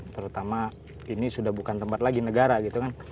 karena ini sudah bukan tempat lagi negara gitu kan